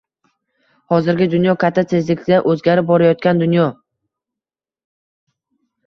Hozirgi dunyo — katta tezlikda o‘zgarib borayotgan dunyo.